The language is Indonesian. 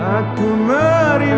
aku masih yakin